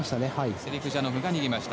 セリクジャノフが逃げました。